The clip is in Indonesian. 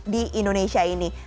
di indonesia ini